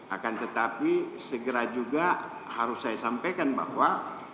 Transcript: akan tetapi segera juga harus saya sampaikan bahwa